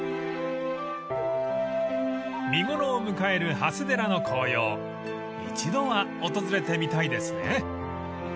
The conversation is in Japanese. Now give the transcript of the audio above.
［見頃を迎える長谷寺の紅葉一度は訪れてみたいですね］